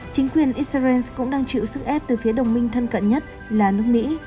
chính quyền israel cũng đang chịu sức ép từ phía đồng minh thân cận nhất là nước mỹ